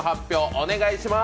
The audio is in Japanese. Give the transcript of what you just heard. お願いします。